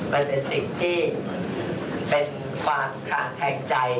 มันเป็นสิ่งที่เป็นความคลางแคลงใจ